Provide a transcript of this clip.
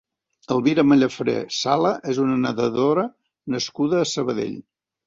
Elvira Mallafré Sala és una nedadora nascuda a Sabadell.